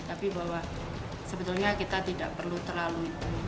tapi bahwa sebetulnya kita tidak perlu terlalu